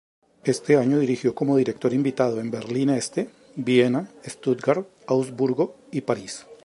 Ese año dirigió como director invitado en Berlín Este, Viena, Stuttgart, Augsburgo y París.